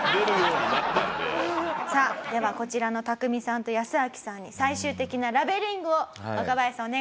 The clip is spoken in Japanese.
さあではこちらのタクミさんとヤスアキさんに最終的なラベリングを若林さんお願いします。